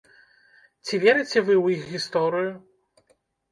Ці верыце вы ў іх гісторыю?